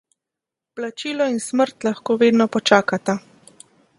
Plačilo in smrt lahko vedno počakata.